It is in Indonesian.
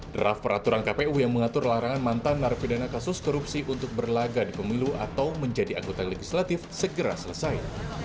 draft peraturan kpu yang mengatur larangan mantan narapidana kasus korupsi untuk berlaga di pemilu atau menjadi anggota legislatif segera selesai